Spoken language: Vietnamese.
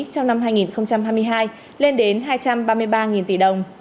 trong năm hai nghìn hai mươi hai lên đến hai trăm ba mươi ba tỷ đồng